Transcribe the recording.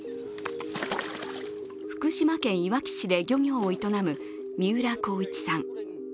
福島県いわき市で漁業を営む三浦孝一さん。